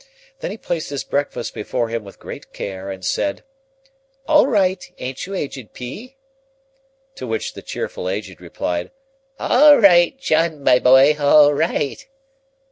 Then he placed his breakfast before him with great care, and said, "All right, ain't you, Aged P.?" To which the cheerful Aged replied, "All right, John, my boy, all right!"